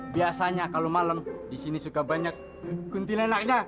biasanya kalau malam di sini suka banyak kuntilanaknya